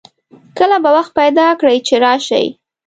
کله به وخت پیدا کړي چې راشئ